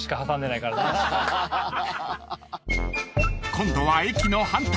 ［今度は駅の反対